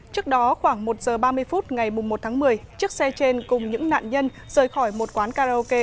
trước đó khoảng một giờ ba mươi phút ngày một tháng một mươi chiếc xe trên cùng những nạn nhân rời khỏi một quán karaoke